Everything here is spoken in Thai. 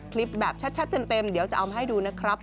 คลิปแบบชัดเต็มเดี๋ยวจะเอามาให้ดูนะครับ